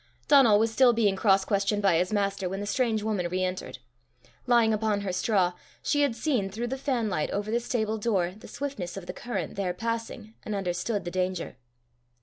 Donal was still being cross questioned by his master when the strange woman re entered. Lying upon her straw, she had seen, through the fanlight over the stable door, the swiftness of the current there passing, and understood the danger.